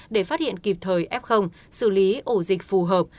để phát hiện kịp thời f xử lý ổ dịch phù hợp